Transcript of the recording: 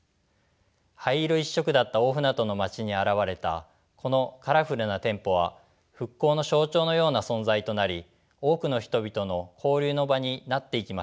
灰色一色だった大船渡の街に現れたこのカラフルな店舗は復興の象徴のような存在となり多くの人々の交流の場になっていきました。